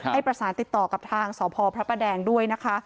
ให้ประสานติดต่อกับทางสพพระประแดงด้วยนะคะ